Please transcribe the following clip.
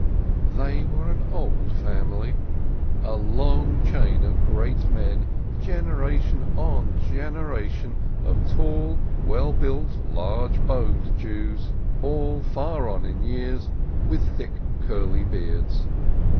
They were an old family, a long chain of great men, generation on generation of tall, well built, large boned Jews, all far on in years, with thick, curly beards.